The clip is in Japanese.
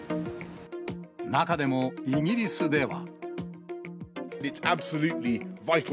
中でもイギリスでは。